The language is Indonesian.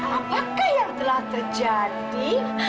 apakah yang telah terjadi